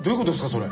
それ。